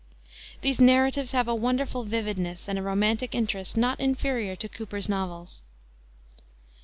These narratives have a wonderful vividness, and a romantic interest not inferior to Cooper's novels.